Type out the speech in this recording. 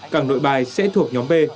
cảng nội bài sẽ thuộc nhóm b